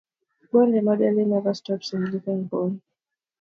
Bone remodeling never stops in living bone.